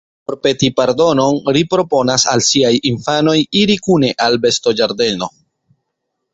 Por peti pardonon, ri proponas al siaj infanoj iri kune al bestoĝardeno.